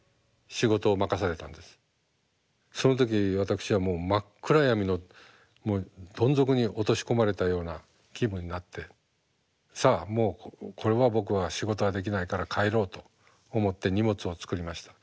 その時私はもう真っ暗闇のどん底に落とし込まれたような気分になって「さあもうこれは僕は仕事ができないから帰ろう」と思って荷物を作りました。